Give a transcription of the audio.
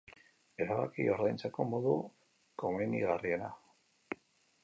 Erabaki ordaintzeko modu komenigarriena.